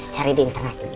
cari di internet dulu ya